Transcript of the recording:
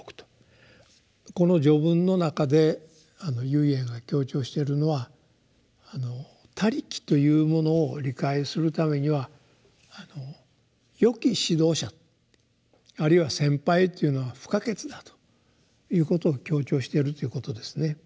この「序文」の中で唯円が強調してるのは「他力」というものを理解するためにはよき指導者あるいは先輩というのは不可欠だということを強調しているということですね。